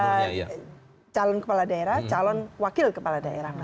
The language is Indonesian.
calon wakil kepala daerah